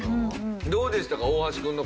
どうでしたか？